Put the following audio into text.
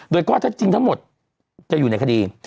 โดยก็ถ้าจริงทั้งหมดจะอยู่ในคดี